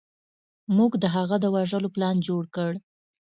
موږ د هغه د وژلو پلان جوړ کړ.